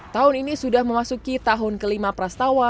tahun ini sudah memasuki tahun kelima prastawa